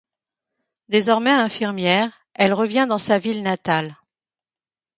Désormais infirmière, elle revient dans sa ville natale.